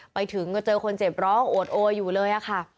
ไปถึงก็เจอคนเจ็บร้องโอดโออยู่เลยค่ะ